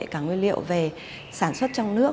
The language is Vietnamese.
cả nguyên liệu về sản xuất trong nước